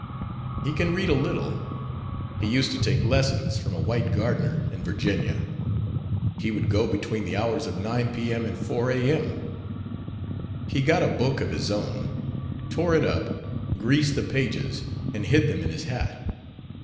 He can read a little. He used to take lessons from a white gardener in Virginia. He would go between the hours of 9 P.M. and 4 A.M. He got a book of his own, tore it up, greased the pages, and hid them in his hat.